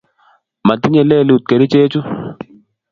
motinyei lelut kerichechu